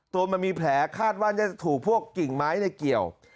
ตัวมันมีแผลคาดว่าจะถูกพวกกิ่งไม้ในเกี่ยว